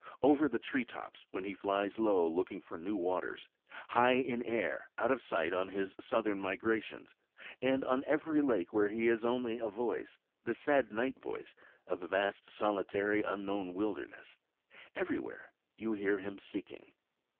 Over the tree tops, when he flies low looking for new waters; high in air, out of sight, on his southern migrations; and on every lake where he is only a voice, the sad night voice of the vast solitary unknown wilderness everywhere you hear him seeking.